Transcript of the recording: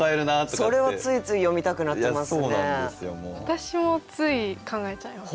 私もつい考えちゃいます。